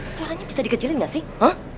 suaranya bisa dikecilin gak sih